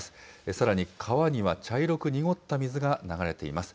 さらに川には茶色く濁った水が流れています。